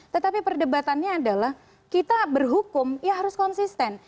tetapi perdebatannya adalah kita berhukum ya harus konsisten